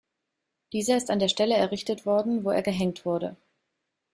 Dieser ist an der Stelle errichtet worden, wo er gehängt wurde.